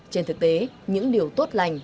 trên thực tế những điều tốt lành